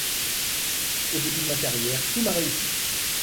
Au début de ma carrière, tout m'a réussi.